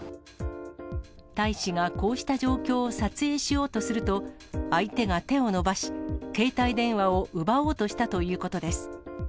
大使がこうした状況を撮影しようとすると、相手が手を伸ばし、携帯電話を奪おうとしたということです。